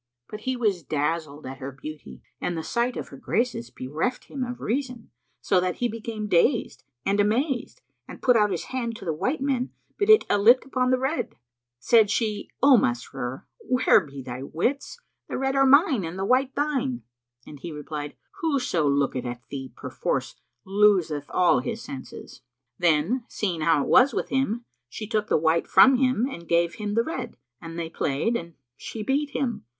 But he was dazzled at her beauty, and the sight of her graces bereft him of reason, so that he became dazed and amazed and put out his hand to the white men, but it alit upon the red. Said she, "O Masrur, where be thy wits? The red are mine and the white thine;" and he replied, "Whoso looketh at thee perforce loseth all his senses." Then, seeing how it was with him, she took the white from him and gave him the red, and they played and she beat him.